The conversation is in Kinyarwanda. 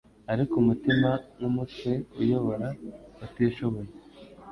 Ariko umutima, nkumutwe, uyobora utishoboye;